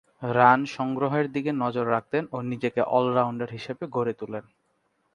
Run সংগ্রহের দিক নজর রাখতেন ও নিজেকে অল-রাউন্ডার হিসেবে গড়ে তুলেন।